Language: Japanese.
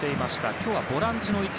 今日はボランチの位置。